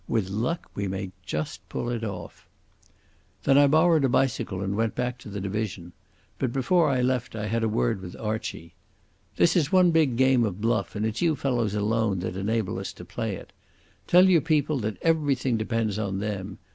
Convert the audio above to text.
"With luck we may just pull it off." Then I borrowed a bicycle and went back to the division. But before I left I had a word with Archie. "This is one big game of bluff, and it's you fellows alone that enable us to play it. Tell your people that everything depends on them.